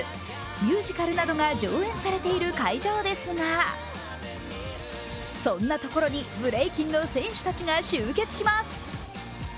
ミュージカルなどが上演されている会場ですがそんなところにブレイキンの選手たちが集結します。